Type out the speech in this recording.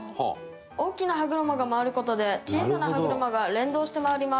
大きな歯車が回る事で小さな歯車が連動して回ります。